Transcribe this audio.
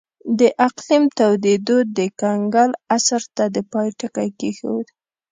د اقلیم تودېدو د کنګل عصر ته د پای ټکی کېښود